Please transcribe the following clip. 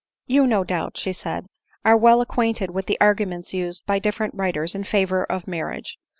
u You, no doubt,'* she said, " are well acquainted with the arguments used by different writers in favor of mar riage.